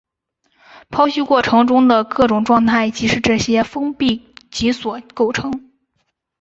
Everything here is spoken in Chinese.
剖析过程中的各种状态即是由这些封闭集所构成。